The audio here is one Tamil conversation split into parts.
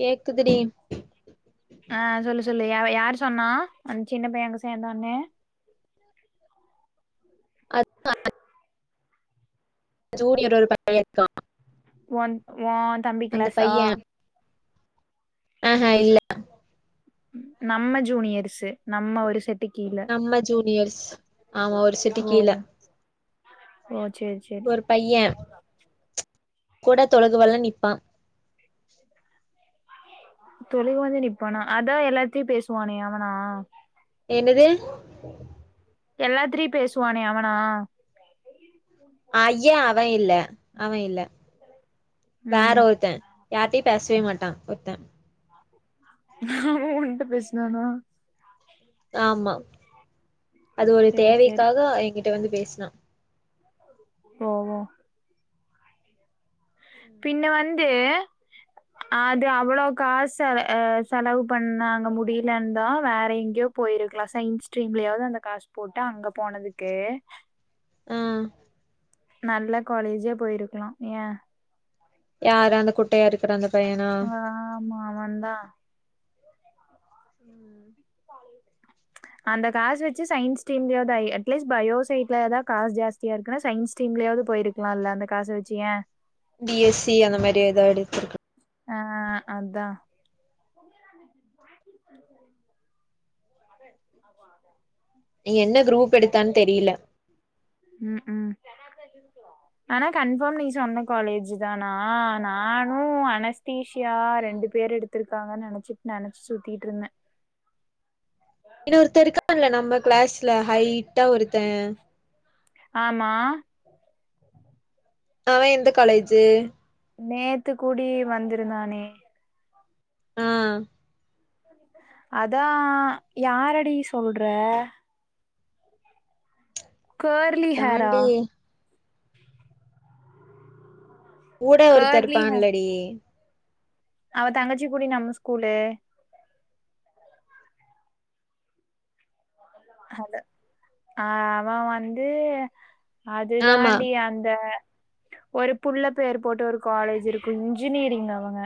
கேக்குதுடி ஆ சொல்லு சொல்லு யவ் யார் சொன்னா அந் சின்ன பைய அங்க சேந்தன்னு [inaudible] ஜுனியர் ஒரு பையே பையருக்கா ஒன் ஓ தம்பி அந்த கிளாஸா பைய அஹா இல்ல நம்ம ஜூனியர்ஸு நம்ம ஒரு செட்டு கீழ நம்ம ஜூனியர்ஸ் ஆமா ஒரு சே ஓ ஓ செரி செரி பையே கூட தொழுகுவெல நிப்பா தொழுக வந்து நிப்பானா அதா எல்லாத்தையு பேசுவானே அவனா என்னது எல்லாத்திரிட்யு பேசுவானே அவனா ஐயே அவ இல்ல அவ இல்ல வேற ம் ஒருத்தே யார்ட்டையு பேசவே மாட்டா ஒருத்தே அவ உன்ட பேசுனானா ஆமா அது ஒரு சேரி சேரி தேவைக்காக என்கிட்ட வந்து பேசுனா ஓ ஓ பின்ன வந்து அது அவ்ளோ காசு அவ செலவு பண்ணாங்க முடியலன்னு தா வேற எங்கயோ போயிருக்கலா சயின்ஸ் சிஸ்ட்ரீக்கலயாவது அந்த காசு போட்டு அங்க போனதுக்கு ஆ நல்ல காலேஜே போயிருக்கலா ஏன் யார அந்த குட்டையா இருக்கற அந்த பையனா உம் அவ தா உம் அந்த காச வச்சி சயீன்ஸ் டிம்ல்ல ஆய் அட்லீஸ் பயோசைட்ல ஏதா காசு ஜாஸ் ஏற்க்கனயே சயின்ஸ் டீம்லயாவது போயிருக்கலா இல்ல அந்த காச வச்சு ஏன் பி எஸ் சி அந்த மாரி ஏதாது போட்டுருக்கலா ஆ அதா ஆமா அதா நீ என்ன குரூப் எடுத்தான்னு தெரியல உம் உம் ஆனா கன்ஃபாம் நீ சொன்ன காலேஜ் தானா நானு அன தீஷியா ம் ரெண்டு பேர் எடுத்து இருக்காங்க நெனைச்சிட்டு நெனச்சு சுத்திட்டு இருந்தே இன்னோறுத்த இருக்கான்ல நம்ம கிளாஸ்ல ஹாய்ட்டா ஒருத்தே ஆமா அவ எந்த காலேஜு நேத்து கூடி வந்து இருந்தானே ஆ அதா யாரடி சொல்றே கர்லி ஹரா தாண்டி கூட ஒருத்தே கேர்லி ஹேர் இருப்பான்லடி அவ தங்கச்சிக்குடி நம்ம ஸ்கூலு ஹத ஆ அவ வந்து அது ஆமா தாண்டி அந்த ஒரு புள்ள பேர் போட்டு ஒரு காலேஜ் இருக்கு இன்ஜினெரிங் அவங்க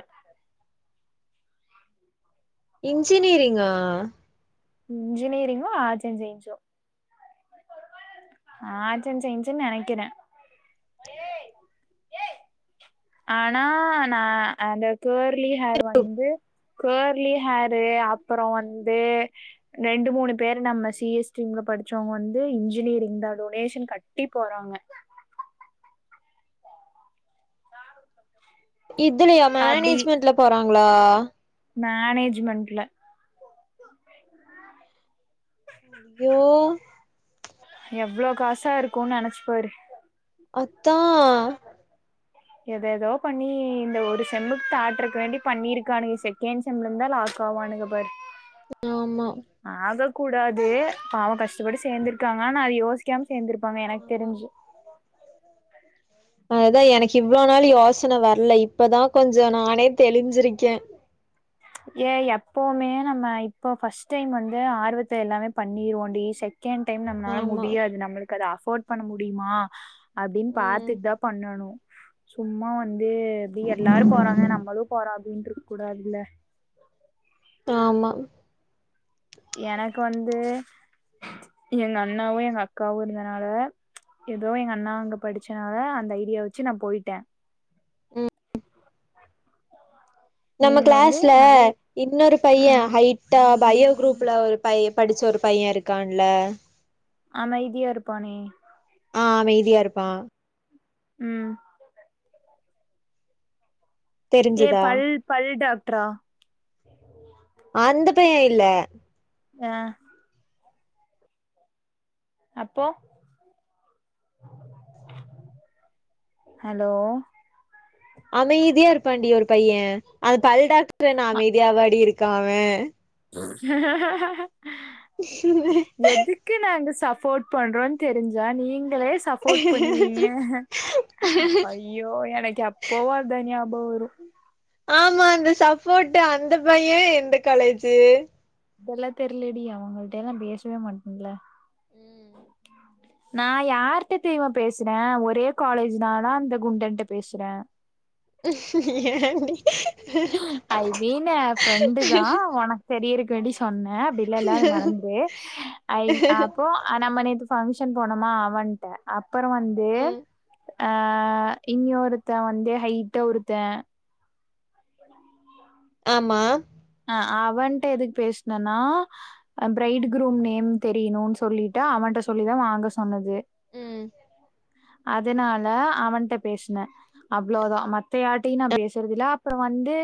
இன்ஜினெரிங்கா இன்ஜினெயரிங்கோ ஆர்ட்ஸ் அண்ட் சயின்ஸ் ஒ ஆர்ட்ஸ் அண்ட் சயின்ஸ்னு நெனைக்கிறே ஆனா நா அந்த கேர்லி ஹேர் வந்து கேர்லி ஹேரு அப்றோ வந்து ரெண்டு மூணு பேர் நம்ம சி எஸ் டிம்ல படிச்சோவங்க வந்து இன்ஜினெரிங் தா டொனேஷன் கட்டி போறாங்க இதுலையா மேனேஜ்மெண்ட்ல போறாங்களா மேனேஜ்மண்ட்ல ஐயோ எவ்ளோ காசா இருக்குனு நெனச்சு பாரு அத்தா எதேதோ பண்ணி இந்த ஒரு செம்முக்கு தாட்றக்கு வேண்டி பண்ணிருக்கானுங்க செ ஏன் செம்முல இருந்து தா லாஸ்ட் போவானுங்க பாரு ஆமா ஆகக்க கூடாது பாவ கஷ்டப்பட்டு சேரந்துருக்காங்க ஆனா அது யோசிக் கேம் சேந்திருப்பாங்க எனக்கு ஆமா தெரிஞ்சு அதுதா எனக்கு இவ்ளோ நாள் யோசனை வரல இப்பதா கொஞ்சோ நானே தெளிஞ்சிருக்கே ஏ எப்பவுமே நம்ம இப்போ ஃபர்ஸ்ட் டைம் வந்து ஆர்வத்த எல்லாமே பண்ணிருவோண்டி செகண்ட் டைம் நம்மளால ஆமா முடியாது நம்மளுக்கு அத அஃபோர்ட் பண்ண முடியுமா அப்டின் ம் பாத்துட் தா பண்ணணு சும்மா வந்து எப்டி எல்லாரு போறாங்க நம்மளு போறோ அப்படின்னு இருக்க கூடாதுல்ல ஆமா எனக்வந்து எங்க அண்ணாவு எங்க அக்காவு இருந்தனால ஏதோ எங்க அண்ணா அங்க படிச்சனால அந்த ஐடியா வச்சு நா போய்ட்டே ம் நம்ம நீங்க வந்து கிளாஸ்ல நல்ல இன்னொரு ஆ பையன் ஹை [unintelligible] பையோ குரூப்ல ஒரு பைய படிச்ச ஒரு பையன் இருக்கான்ல அமைதியா இருப்பானே ஆ அமைதியா இருப்பா ம் ஏ தெரிஞ்சுதா பல் பல் டாக்ட்ரா அந்த பையன் இல்ல ஆ அப்போ ஹலோ அமைதியா இருப்பான்டி ஒரு பையன் அந்த பல் டாக்டர் என்ன அமைதியா வாடி இருக்கான் அவன் அவன் எதுக் கு நாங்க சப்போர்ட் பண்றோ தெரிஞ்சா நீங்களே சப்போர்ட் பண்ணுவீங்க ஐயோ எனக்கு எப்பவு அதா ஞாபகம் வரு ஆமா அந்த சப்போர்ட்டு அந்த பைய எந்த காலேஜு இதெல்லாம் தெரியிலடி அவங்கள்ட்டல்லா பேசவே மாட்டேன்ல நான் யார்ட்ட தெரியுமா பேசுற ஒரே காலேஜ்தா அந்த குண்டன்ட்ட பேசுற என் அஐவேனு ஃப்ரெண்டுதா உனக்கு தெரியருக்க வேண்டி சொன்னே அப்படிலல்லது மறந்து ஐ அப்போ ஆ நம்ம நேத்து பங்க்ஷன் போனோமா அவன்ட்ட அப்பற வந்து ம் அ இன்யு ஒருத்த வந்து ஹைட்டா ஒருத்த ஆமா அ அவன்ட்ட எதுக் பேசுனனா பிரைட் க்ரூம் நேம் தெரியணுன் சொல்லிட்டு அவன்ட்ட சொல்லிதா வாங்க சொன்னது ம் அதனால அவன்ட்ட பேசுன அவ்ளோதா மத்த யார்ட்டையு நா பேசுறது இல்ல அப்பற வந்து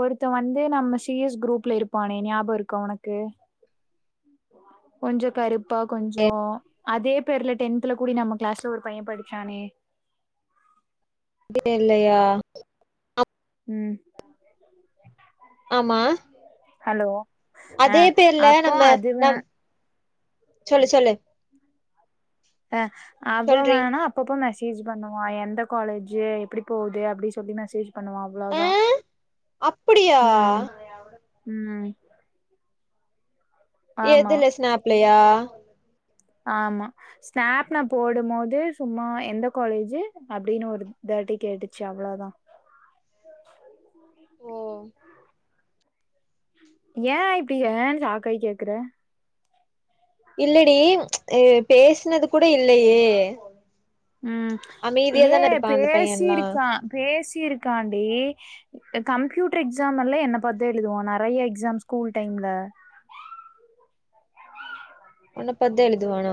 ஒருத்த வந்து நம்ம சிஎஸ் குரூப்ல இருப்பானே ஞாபக இருக்கா உனக்கு ஆ கொஞ்சோ கருப்பா கொஞ்சோ அதே பேர்ல டென்த்ல கூடி நம்ம கிளாஸ்ல ஒரு பைய படிச்சானே டேல்லயா ம் ஆமா ஹலோ ஆ அதே பேர்ல அப்போ நம்ம அதுவ நம் சொல்லு சொல்லு ஆ அப்ப சொல்றி வேணா அப்பப்போ மெசேஜ் பண்ணுவா எந்த காலேஜு எப்டி போது அப்டி சொல்லி மெசேஜ் பண்ணுவா அவ்ளோ ஆ தா அப்படியா ம் ம் ஆமா எதுல ஸ்நாப்லயா ஆமா ஸ்நாப் நா போடு மோது சும்மா எந்த காலேஜு அப்டின்னு ஒரு தாட்டி கேட்டுச்சு அவ்ளோ தா ஓ ஏ இப்டி ஏன் சாக்காய் கேக்கற இல்லடி அ பேஸ்னது கூட இல்லயே ம் ஏ இருப்பா அந்த பையன்லா பேசீர்க்கா பேசீர்க்கான்டி அ கம்ப்யூட்டர் எக்ஸாம்மெல்லா என்ன பாத் தா எழுதுவா நெறைய எக்ஸாம் ஸ்கூல் டைம்ல உன்ன பாத் தா எழுதுவானா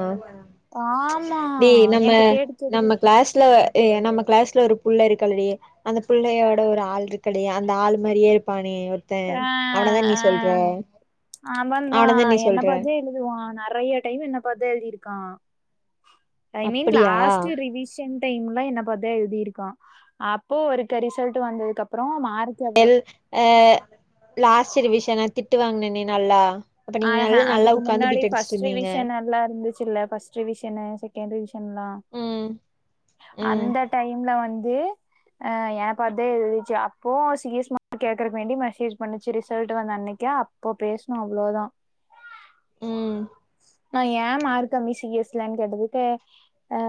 ஆமா டி நம்ம என்ட்ட கேட்டுச்சுதுக நம்ம கிளாஸ்ல ஏ நம்ம கிளாஸ்ல ஒரு புள்ள இருக்கல்லடி அந்த பிள்ளையோட ஒரு ஆள்ருக்குடி அந்த ஆள் மாரியே இருப்பானே ஒரு த்த ஆ அவன தான் நீ ஆ சொல்ற அவன தான் நீ சொல்ற துவா நறையா டைம் என்ன பாத் தா எழுதிருக்கா ஐ மீன் அப்படியா லாஸ்ட்டு ரிவி ஷன் டைம்ல என்ன பாத் தா எழுதிருக்கா அப்போ ஒருக்க ரிசல்ட்டு வந்ததுக்கப்றோ மார்க் எவ்ளோ எல் அ லாஸ்ட்டு ரிவிஷன நா திட்டு வாங்னனே நல்லா அப்ப ஆ நீங்க அ நல்லா நல்லா அதுக்கு உக்காந்து முன்னாடி பிட் அடிச்சுட்டு ஃபஸ்ட் இருந்தீங்க ரிவிஷனல்லா இருந்துச்சுல்ல ஃபஸ்ட் ரிவிஷனு செகண்ட் ரிவிஷன்ல்லா ம் ம் அந்த டைம்ல வந்து ஆ ஏ பாத் தா எழுதிச்சு அப்போ சி எஸ் மார்க் கேக்கறக் வேண்டி மெசேஜ் பண்ணுச்சு ரிசல்ட் வந்தன்னைக்கே அப் போ பேஸ்னோ அவ்ளோ தா ம் நா ஏ மார்க் கம்மி சி எஸ் லன் கேட்டதுக்கு அ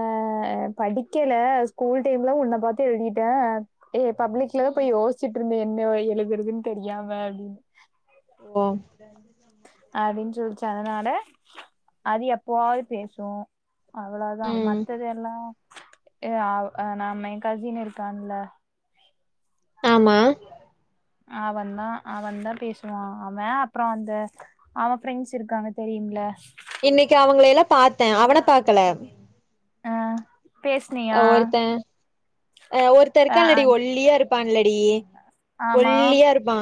படிக்கல ஸ்கூல் டைம்ல உன்ன பாத்து எழுதீட்டே ஏ பப்ளிக்ல தா ம் போய் யோஸ்ச்சிட்ருந்த என்ன எழுதறதுன் தெரியாம அப்டினு ஓ [inaudible] அப்டின் சொல்ச்சு அதனால அது எப்பவாவ்து பேசு அவ்ளவ் தா ம் மத்தது எல்லா ஏ அவ் அ நம்ம எ கசின் இருக்கான்ல ஆமா அவ தா அவ தா பேசுவா அவ அப்றோ அந்த அவ ஃப்ரெண்ட்ஸ் இருக்காங்க தெரியும்ல இன்னைக் அவங்கள எல்லா பாத்தே அவன பாக்கல பேஸ்னியா ஒருத்த அ ஒருத்த இருக்கான்லடி ஒல்லியா இருப்பான்லடி ஆமா ஒல்லியா இருப்பா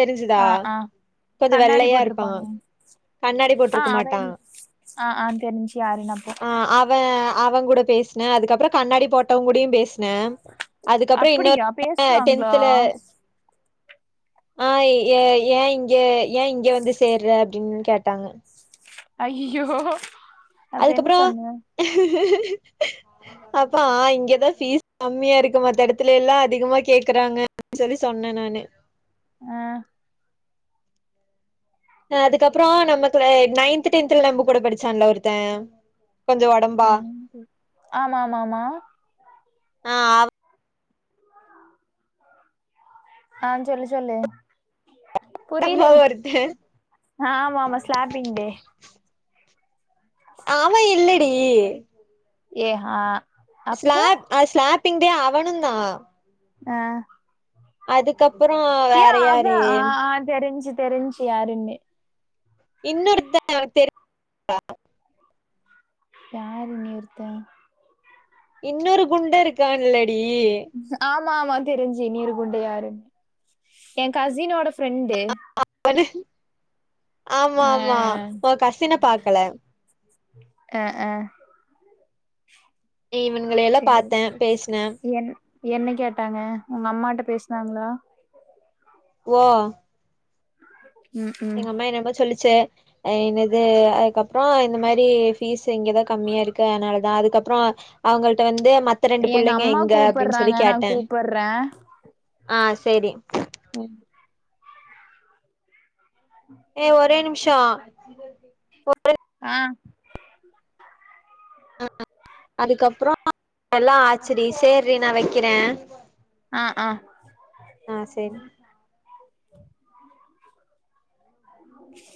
தெரிஞ்சுதா ஆ ஆ கொஞ்ச கண்ணாடி வெள்ளையா இருப்பா போட்ருப்பானா கண்ணாடி ஆ போட்ருக்க அவ மாட்டா இல்ல ஆ அ தெரிஞ்ச்சு யாருனப்போ ஆ அவ அவங்கூட பேஸ்னே அதுக்கப்றோ கண்ணாடி போட்டவங்கூடயு பேஸ் னே அதுக்கப்றோ இன்னோர் அப்டியா [inaudible] அ பேசுனாங்களா டென்த்துல ஆ எ ஏ இங்க ஏ இங்க வந்து சேர்ற அப்டின் கேட்டாங்க ஐய்யிய்யோ அதுக்கப்றோ அப்பா இங்க தா ஃபீஸ் கம்மியா இருக்கு மத்த எடத்துலெல்லா அதிகமா கேக்கறாங்க அப்டி சொல்லி சொன்ன நானு ஆ அ அதுக்கப்றோ நம்மக்கூட நைன்த்து டென்த்துல நம்ம கூட படிச்சான்ல ஒருத்த கொஞ்ச ஒடம்பா நைன்டி. ஆமா ஆமா ஆமா ஆ அவ ஆஞ்சொல்லி சொல்லு ஒடம்பா புரியிலரி ஒருத்த ஆமாமா ஸ்லாப்பிங் டே ஆவ இல்லடி ஏ ஹா ஸ்லாப் அ ஸ்லாப்பிங்கடே அவனு தா ஆ அதுக்கப்புறோ ஏ அவ ஆ ஆ தெரிஞ்சு தெரிஞ்சு யருனு இன்னொருத்த எங்களுக் தெரியு யார் நிறுத்த இன்னொரு குண்டு இருக்காலடி ஆமா ஆமா தெரிஞ்சு இன்னொரு குண்டு யாருன்னு எ கசினோட ஃப்ரெண்டு ஒண்ணு ஆமா ஆ ஆமா ஒ கசின பாக்கல அ அ இவன்கள எல்லா சேரி பாத்தே பேசுனே என் என்ன கேட்டாங்க உங்க அம்மாட்ட பேசுனாங்களா ஓ ம் ம் எங்க அம்மா என்னையதா சொல்லிச்சு ஆ என்னது அதுக்கப்புறோ இந்த மாரி ஃபீஸ் இங்கதா கம்மியா இருக்கு அதுனாலதா அதுக்கப்புறோ அவங்கள்ட வந்து மத் த ரெண்டு பிள்ளைங்க அம்மா எங்க அப்டின்னு சொல்லி கூப்பட்றாங்க நா கேட்டே கூப்பட்றே ஆ சரி அ இ ஒரே நிம்ஷோ ஒரே ஆ அ அதுக்கப்புறோ எல்லா ஆச்சுடி சேற்றி நா வைக்கிறே ஆ ஆ ஆ சேரி ஆ